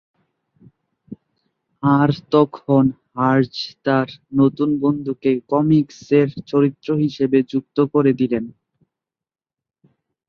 আর তখন হার্জ তার এ নতুন বন্ধুকে কমিকসের চরিত্র হিসেবে যুক্ত করেদিলেন।